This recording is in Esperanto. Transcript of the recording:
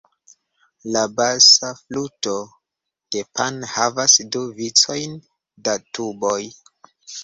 La basa fluto de Pan havas du vicojn da tuboj.